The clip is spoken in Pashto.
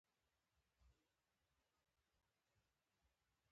سپین بولدک لاره سوداګریزه ده؟